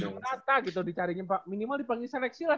mencari nyempa minimal dipanggil seleksi lah